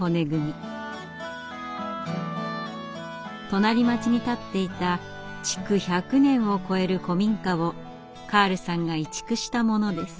隣町に建っていた築１００年を超える古民家をカールさんが移築したものです。